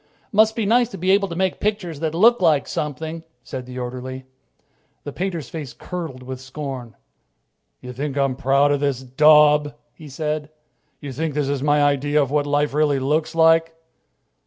"Must be nice to be able to make pictures that look like something," said the orderly. The painter's face curdled with scorn. "You think I'm proud of this daub?" he said. "You think this is my idea of what life really looks like?"